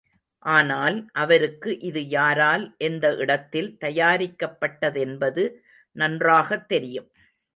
ஆனால், அவருக்கு இது யாரால், எந்த இடத்தில் தயாரிக்கப்பட்டதென்பது நன்றாகத் தெரியும்.